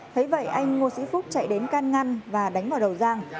thấy vậy anh ngô sĩ phúc chạy đến can ngăn và đánh vào đầu giang